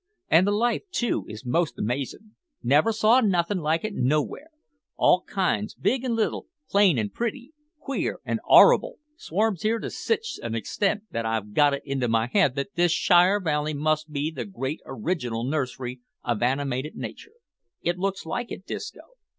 An' the life, too, is most amazin'. Never saw nothin' like it nowhere. All kinds, big an' little, plain an' pritty, queer an' 'orrible, swarms here to sitch an extent that I've got it into my head that this Shire valley must be the great original nursery of animated nature." "It looks like it, Disco."